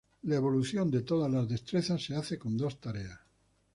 La evaluación de todas las destrezas se hace con dos tareas.